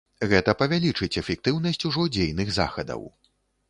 Гэта павялічыць эфектыўнасць ужо дзейных захадаў.